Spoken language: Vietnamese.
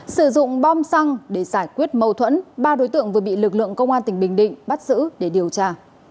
sử dụng bom xăng để giải quyết mâu thuẫn ba đối tượng vừa bị lực lượng công an tỉnh bình định bắt giữ để điều tra